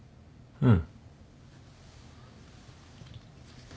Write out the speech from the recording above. うん。